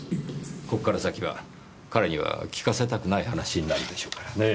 ここから先は彼には聞かせたくない話になるでしょうからねぇ。